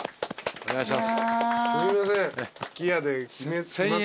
お願いします。